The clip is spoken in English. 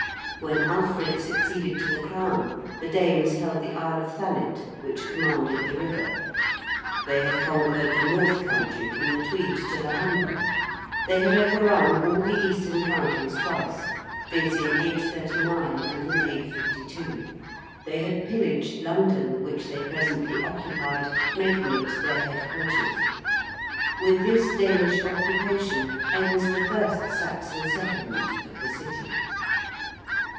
When Alfred succeeded to the Crown the Danes held the Isle of Thanet, which commanded the river; they had conquered the north country from the Tweed to the Humber; they had overrun all the eastern counties twice viz., in 839 and in 852: they had pillaged London, which they presently occupied, making it their headquarters. With this Danish occupation ends the first Saxon settlement of the City.